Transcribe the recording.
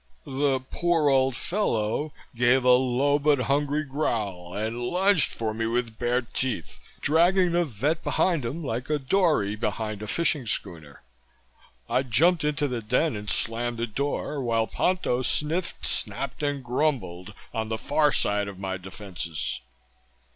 The poor old fellow gave a low but hungry growl and lunged for me with bared teeth, dragging the vet behind him like a dory behind a fishing schooner. I jumped into the den and slammed the door, while Ponto sniffed, snapped and grumbled on the far side of my defenses.